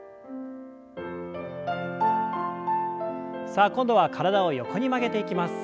さあ今度は体を横に曲げていきます。